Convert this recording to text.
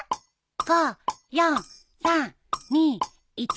５４３２１。